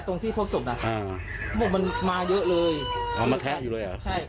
ตรงที่พบศพน่ะอ่าเขาบอกมันมาเยอะเลยเอามาแทะอยู่เลยเหรอใช่